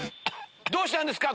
どうしたんですか？